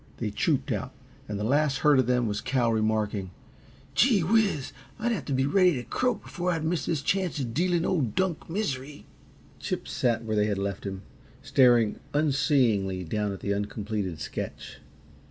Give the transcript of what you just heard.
They trooped out, and the last heard of them was Cal, remarking: "Gee whiz! I'd have t' be ready t' croak before I'd miss this chance uh dealing old Dunk misery." Chip sat where they had left him, staring unseeingly down at the uncompleted sketch.